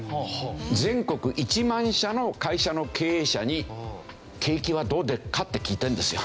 全国１万社の会社の経営者に景気はどうでっか？って聞いてるんですよ。